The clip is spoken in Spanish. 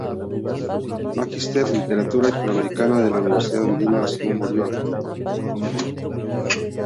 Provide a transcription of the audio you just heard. Magister en Literatura hispanoamericana de la Universidad Andina Simón Bolívar de Quito.